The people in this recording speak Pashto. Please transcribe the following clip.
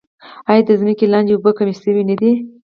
آیا د ځمکې لاندې اوبه کمې شوې نه دي؟